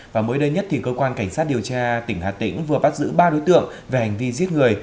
và mới đây nhất thì cơ quan cảnh sát điều tra tỉnh hà tĩnh vừa bắt giữ ba đối tượng về hành vi giết người